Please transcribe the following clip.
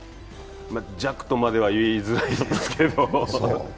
ま、弱とまでは言いづらいんですけど。